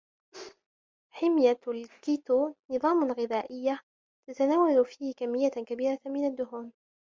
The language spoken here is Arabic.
حمية الكيتو نظام غذائية تتناول فيه كمية كبيرة من الدهون